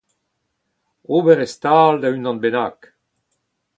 ober e stal da unan bennak